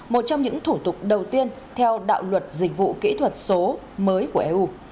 một trong những thủ tục đầu tiên theo đạo luật dịch vụ kỹ thuật số mới của eu